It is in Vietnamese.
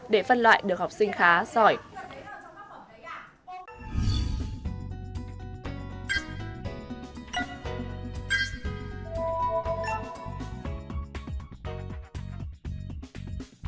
để phân loại được học sinh khá giỏi